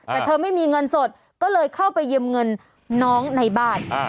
แต่เธอไม่มีเงินสดก็เลยเข้าไปยืมเงินน้องในบ้าน